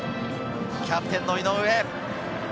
キャプテン・井上。